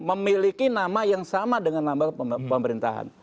memiliki nama yang sama dengan nama pemerintahan